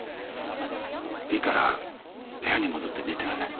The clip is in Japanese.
いいから部屋に戻って寝てなさい。